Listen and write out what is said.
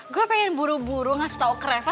gue pengen buru buru ngasih tahu ke reva